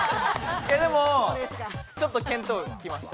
でも、ちょっと見当が来ました。